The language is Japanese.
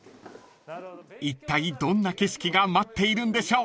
［いったいどんな景色が待っているんでしょう？］